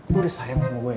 lu udah sayang sama gue ya